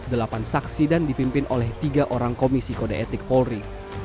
delapan saksi dan dipimpin oleh tiga orang komisi kode etik polri